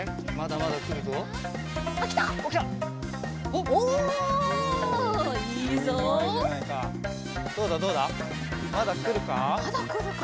まだくるか？